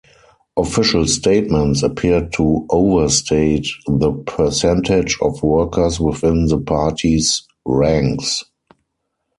Official statements appeared to overstate the percentage of workers within the party's ranks.